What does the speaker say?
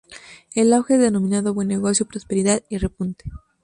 El auge es denominado buen negocio, prosperidad, y repunte.